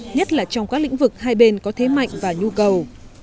nhất là trong các lĩnh vực hai bên có thế mạnh và nhu cầu